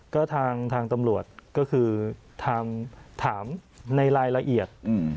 ก็ทางตำรวจก็คือถามในรายละเอียด